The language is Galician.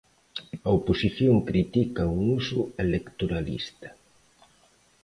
A oposición critica un uso electoralista.